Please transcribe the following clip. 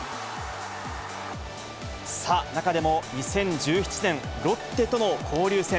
さあ、中でも２０１７年、ロッテとの交流戦。